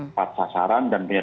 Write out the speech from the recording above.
empat sasaran dan punya